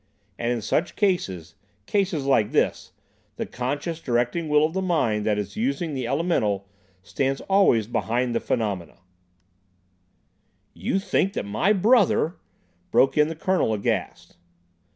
And in such cases—cases like this—the conscious, directing will of the mind that is using the elemental stands always behind the phenomena—" "You think that my brother—!" broke in the Colonel, aghast.